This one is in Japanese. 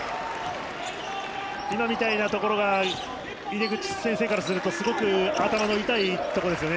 今みたいなところが井手口先生からするとすごく頭の痛いところですよね。